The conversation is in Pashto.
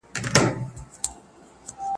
د غلامۍ تاریخ له دردونو او رنځونو ډک دی.